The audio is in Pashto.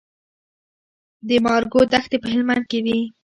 د مارګو دښتې په هلمند کې دي